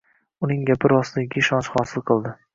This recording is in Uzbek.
uning gapi rostligiga ishonch hosil qildi.